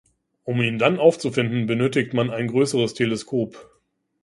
Um ihn dann aufzufinden benötigt man ein größeres Teleskop.